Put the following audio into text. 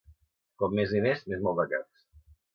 Com més diners, més maldecaps.